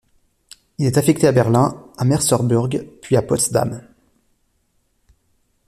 Il est affecté à Berlin, à Merseburg, puis à Potsdam.